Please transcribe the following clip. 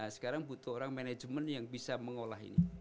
sekarang butuh orang manajemen yang bisa mengolah ini